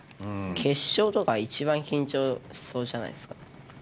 決勝とか一番緊張しそうじゃないですか。